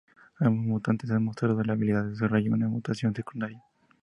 Algunos mutantes han mostrado la habilidad de desarrollar una mutación secundaria.